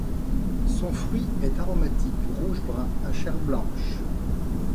Sont fruit est aromatique rouge-brun à chair blanche.